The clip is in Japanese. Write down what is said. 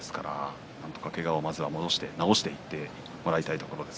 なんとかけがを治していってもらいたいところです。